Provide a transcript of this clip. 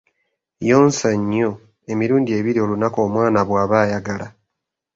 Yonsa nnyo, emirundi ebiri olunaku omwana bw'aba ayagala.